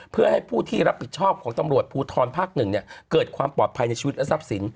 เพื่อให้ผู้ที่รับผิดชอบของตำรวจภูทรภาค๑เกิดความปลอดภัยในชีวิตและทรัพย์สิน